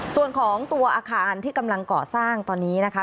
ส่วนของตัวอาคารที่กำลังก่อสร้างตอนนี้นะคะ